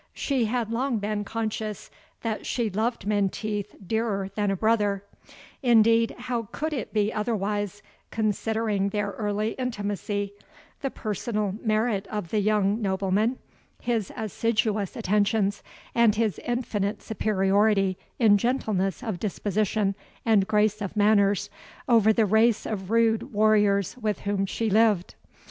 She had long been conscious that she loved Menteith dearer than a brother; indeed, how could it be otherwise, considering their early intimacy, the personal merit of the young nobleman, his assiduous attentions, and his infinite superiority in gentleness of disposition, and grace of manners, over the race of rude warriors with whom she lived?